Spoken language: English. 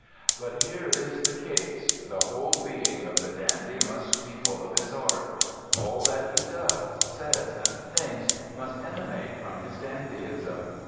But here is the case: the whole being of the dandy must be full of his art ; all that he does, says, and thinks, must emanate from his dandyism.